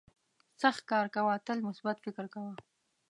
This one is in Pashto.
سخت کار کوه تل مثبت فکر کوه.